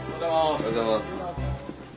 おはようございます。